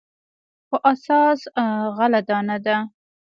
خو اساس غله دانه ده.